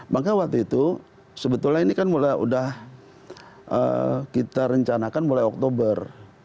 maka waktu itu sebetulnya ini kan mulai udah kita rencanakan mulai oktober